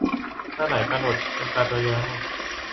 ปลาไหล ปลาหลด เป็นปลาตัวยาว